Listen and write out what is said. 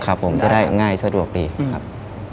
ครับผมจะได้ง่ายสะดวกดีครับ